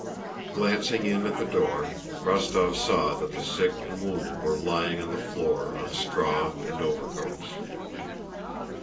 Glancing in at the door, Rostóv saw that the sick and wounded were lying on the floor on straw and overcoats.